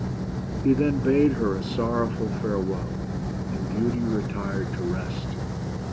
He then bade her a sorrowful farewell, and Beauty retired to rest.